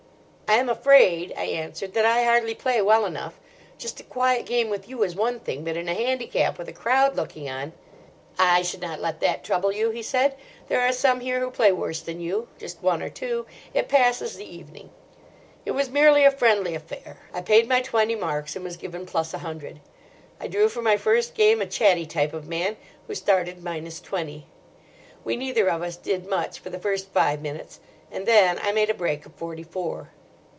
"I am afraid," I answered, "that I hardly play well enough. Just a quiet game with you is one thing; but in a handicap with a crowd looking on—" "I should not let that trouble you," he said; "there are some here who play worse than you—just one or two. It passes the evening." It was merely a friendly affair. I paid my twenty marks, and was given plus a hundred. I drew for my first game a chatty type of man, who started minus twenty. We neither of us did much for the first five minutes, and then I made a break of forty four.